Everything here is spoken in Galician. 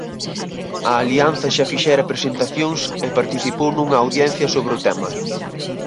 A Alianza xa fixera presentacións e participou nunha audiencia sobre o tema.